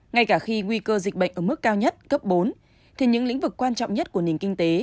ngay cả khi nguy cơ dịch bệnh ở mức cao nhất cấp bốn thì những lĩnh vực quan trọng nhất của nền kinh tế